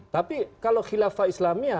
tapi kalau khilafah islamia